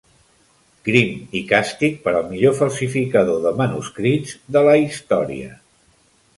Crim i càstig per al millor falsificador de manuscrits de la història.